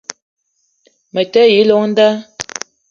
Me te yi llong nda